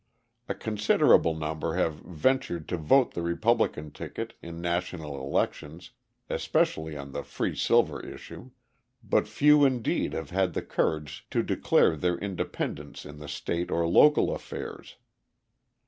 A considerable number have ventured to vote the Republican ticket in national elections (especially on the free silver issue), but few indeed have had the courage to declare their independence in state or local affairs.